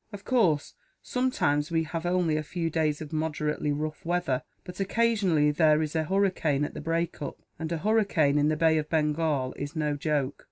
Of course, sometimes we have only a few days of moderately rough weather; but occasionally there is a hurricane at the break up, and a hurricane in the bay of Bengal is no joke.